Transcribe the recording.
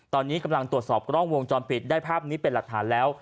ตอนนี้กำลังตรวจสอบกล้องวงจรปิดได้ภาพนี้เป็นหลักฐานแล้ว